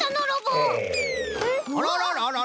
あららららら？